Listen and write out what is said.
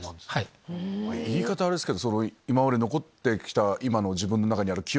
言い方あれですけど。